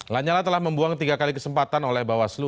lanyala telah membuang tiga kali kesempatan oleh bawaslu